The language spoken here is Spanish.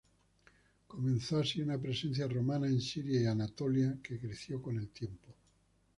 Comenzó así una presencia romana en Siria y Anatolia que creció en el tiempo.